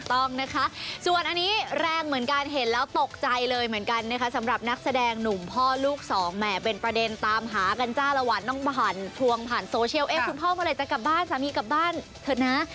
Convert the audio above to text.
ต้องนะคะส่วนอันนี้แรงเหมือนกันเห็นแล้วตกใจเลยเหมือนกันนะคะสำหรับนักแสดงหนุ่มพ่อลูกสองแหมเป็นประเด็นตามหากันจ้าละวันน้องบ่านทวงผ่านโซเชียลเอ๊ะคุณพ่อเมื่อไหร่จะกลับบ้านสามีกลับบ้านเถอะนะ